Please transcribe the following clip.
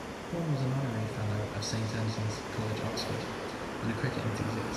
Horne was an Honorary Fellow of Saint Antony's College, Oxford, and a cricket enthusiast.